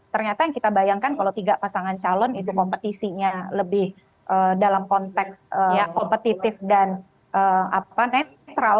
ternyata yang kita bayangkan kalau tiga pasangan calon itu kompetisinya lebih dalam konteks kompetitif dan netral